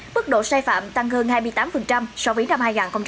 bức độ sai phạm tăng hơn hai mươi tám so với năm hai nghìn một mươi tám